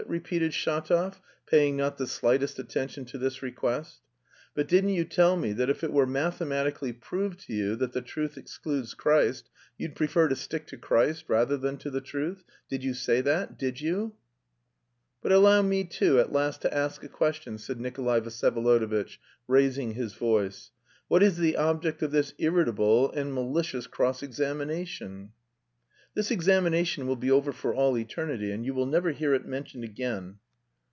repeated Shatov, paying not the slightest attention to this request. "But didn't you tell me that if it were mathematically proved to you that the truth excludes Christ, you'd prefer to stick to Christ rather than to the truth? Did you say that? Did you?" "But allow me too at last to ask a question," said Nikolay Vsyevolodovitch, raising his voice. "What is the object of this irritable and... malicious cross examination?" "This examination will be over for all eternity, and you will never hear it mentioned again."